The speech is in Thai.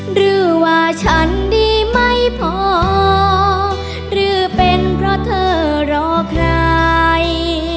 หรือว่าฉันดีไม่พอหรือเป็นเพราะเธอรอใคร